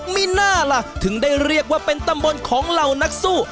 มีหน้าล่ะถึงได้เรียกว่าเป็นตำบลของเหล่านักสู้